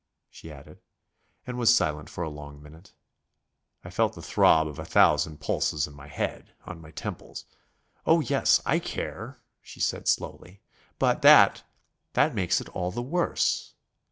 she added, and was silent for a long minute. I felt the throb of a thousand pulses in my head, on my temples. "Oh, yes, I care," she said slowly, "but that that makes it all the worse.